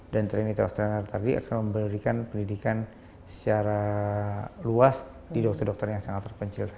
dan training of trainer tadi akan memberikan pendidikan secara luas di dokter dokter yang sangat terpencil